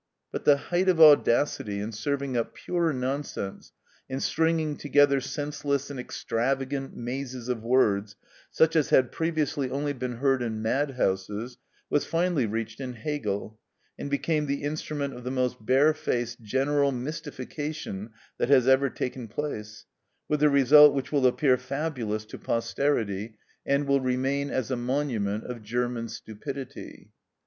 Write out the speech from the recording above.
But the height of audacity, in serving up pure nonsense, in stringing together senseless and extravagant mazes of words, such as had previously only been heard in madhouses, was finally reached in Hegel, and became the instrument of the most barefaced general mystification that has ever taken place, with a result which will appear fabulous to posterity, and will remain as a monument of German stupidity.